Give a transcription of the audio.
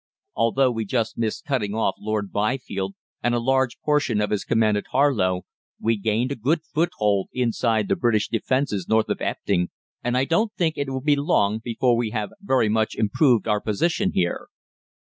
Although we just missed cutting off Lord Byfield and a large portion of his command at Harlow, we gained a good foothold inside the British defences north of Epping, and I don't think it will be long before we have very much improved our position here.